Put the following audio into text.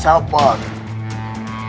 sabar kebenakanku cinta sabar